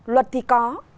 luật thì có